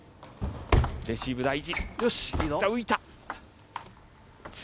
レシーブ大事。